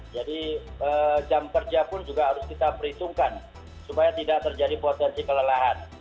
jadi jam kerja pun juga harus kita perhitungkan supaya tidak terjadi potensi kelelahan